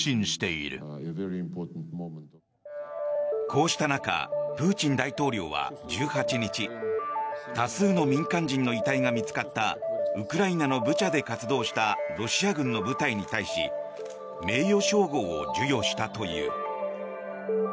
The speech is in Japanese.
こうした中プーチン大統領は１８日多数の民間人の遺体が見つかったウクライナのブチャで活動したロシア軍の部隊に対し名誉称号を授与したという。